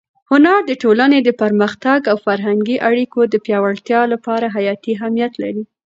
هنر د ټولنې د پرمختګ او فرهنګي اړیکو د پیاوړتیا لپاره حیاتي اهمیت لري.